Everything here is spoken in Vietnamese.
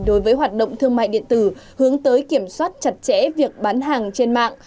đối với hoạt động thương mại điện tử hướng tới kiểm soát chặt chẽ việc bán hàng trên mạng